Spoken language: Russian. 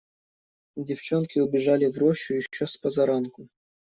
Девчонки убежали в рощу еще спозаранку.